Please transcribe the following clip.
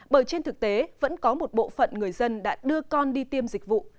bởi trên thực tế vẫn có một bộ phận người dân đã đưa con đi tiêm dịch vụ